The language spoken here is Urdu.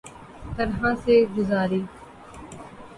طرح سے گزاری